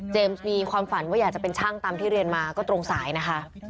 มีความฝันว่าอยากจะเป็นช่างตามที่เรียนมาก็ตรงสายนะคะ